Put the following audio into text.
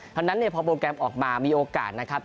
เพราะฉะนั้นเนี่ยพอโปรแกรมออกมามีโอกาสนะครับ